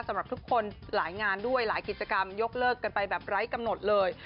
สำหรับทุกคนหลายงานด้วยหลายกิจกรรมยกเลิกกันไปแบบไร้กำหนดเลย